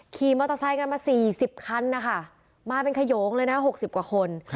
ขี่มอเตอร์ไซค์กันมา๔๐คันนะคะมาเป็นขยงเลยนะ๖๐กว่าคน